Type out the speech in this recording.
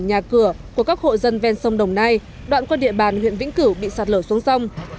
nhà cửa của các hộ dân ven sông đồng nai đoạn qua địa bàn huyện vĩnh cửu bị sạt lở xuống sông